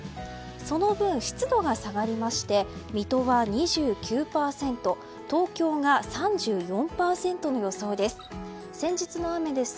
その分、湿度が下がりまして水戸は２９％東京が３４％の予想です。